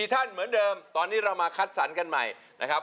ท่านเหมือนเดิมตอนนี้เรามาคัดสรรกันใหม่นะครับ